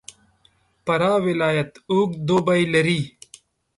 فراه ولایت اوږد دوبی لري.